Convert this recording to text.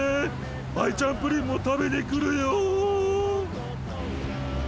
アイちゃんプリンも食べに来るよ！